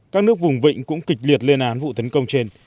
các nước vùng vịnh cũng kịch liệt lên án vụ tấn công trên